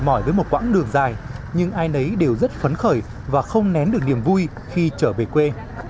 mỏi với một quãng đường dài nhưng ai nấy đều rất phấn khởi và không nén được niềm vui khi trở về quê